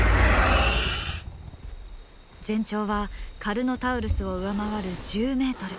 全長はカルノタウルスを上回る１０ｍ。